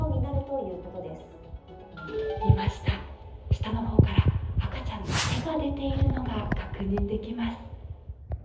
いました、下の方から赤ちゃんの手が出ているのが確認できます。